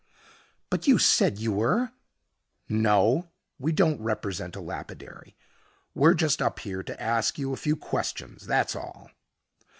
"But you said you were " "No, we don't represent a lapidary. We're just up here to ask you a few questions, that's all."